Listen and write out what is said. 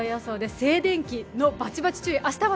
静電気、バチバチ注意。